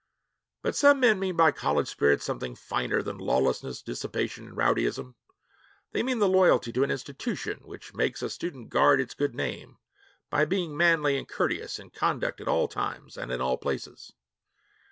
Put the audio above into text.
But some men mean by college spirit something finer than lawlessness, dissipation, and rowdyism. They mean the loyalty to an institution which makes a student guard its good name by being manly and courteous in conduct at all times and in all places.